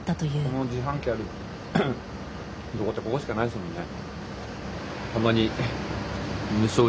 この自販機あるとこってここしかないですもんね。